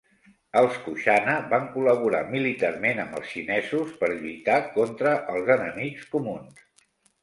Els Kushana van col·laborar militarment amb els xinesos per lluitar contra els enemics comuns.